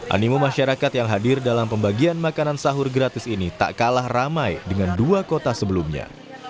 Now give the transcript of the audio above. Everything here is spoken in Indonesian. animu masyarakat yang hadir dalam pembagian makanan sahur gratis ini tak kalah ramai dengan dua kota sebelumnya